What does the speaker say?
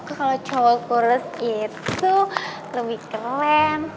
kalau cowok kurus itu lebih keren